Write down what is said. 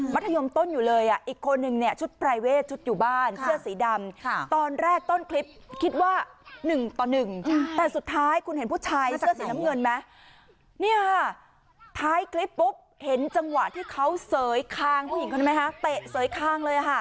มัธยมต้นอยู่เลยอีกคนนึงชุดปรายเวทชุดอยู่บ้านเสื้อสีดำ